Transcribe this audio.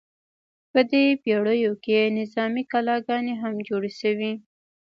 په دې پیړیو کې نظامي کلاګانې هم جوړې شوې.